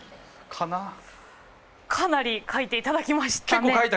かなり書いていただきましたね。